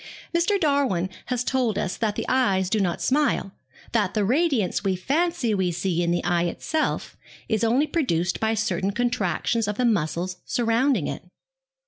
Mr. Darwin has told us that the eyes do not smile, that the radiance we fancy we see in the eye itself is only produced by certain contractions of the muscles surrounding it.